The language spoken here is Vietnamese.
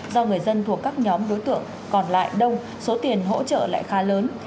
do người dân thuộc các nhóm đối tượng còn lại đông số tiền hỗ trợ lại khá lớn